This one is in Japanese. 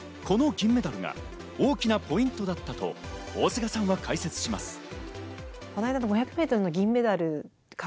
この銀メダルが大きなポイントだったと大菅さんは解説します。